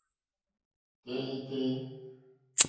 Téɲítéɲí.